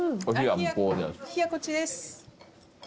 お冷やこっちです。